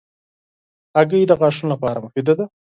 هګۍ د غاښونو لپاره مفیده ده.